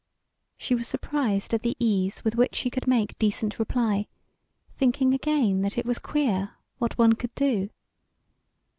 She was surprised at the ease with which she could make decent reply, thinking again that it was queer what one could do.